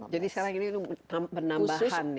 jadi sekarang ini penambahan ya